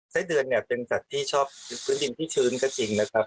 ไส้เดือนเนี่ยเป็นสัตว์ที่ชอบพื้นดินที่ชื้นก็จริงนะครับ